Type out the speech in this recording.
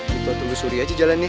kita tunggu suri aja jalan nih